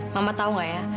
mama tau gak ya